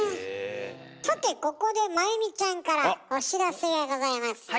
さてここで麻由美ちゃんからお知らせがございますよ。